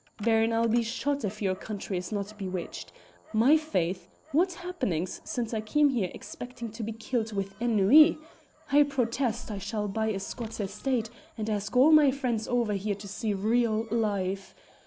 Baron, I'll be shot if your country is not bewitched. My faith! what happenings since I came here expecting to be killed with ennui! I protest I shall buy a Scots estate and ask all my friends over here to see real life.